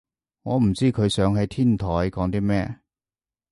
我唔知佢想喺天台講啲咩